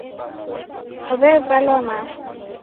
W'evalwa masa.